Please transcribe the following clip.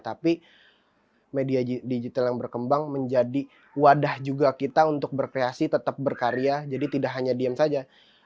tapi media digital yang berkembang menjadi wadah juga kita untuk berkreasi tetap berkarya jadi tidak hanya diem saja